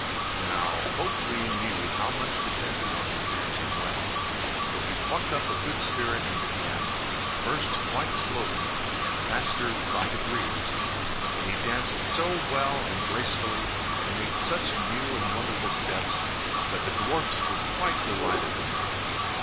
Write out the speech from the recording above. Now, Hok Lee knew how much depended on his dancing well, so he plucked up a good spirit and began, first quite slowly and faster by degrees, and he danced so well and gracefully, and made such new and wonderful steps, that the dwarfs were quite delighted with him.